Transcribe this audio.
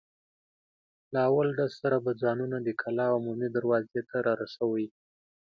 له اول ډز سره به ځانونه د کلا عمومي دروازې ته را رسوئ.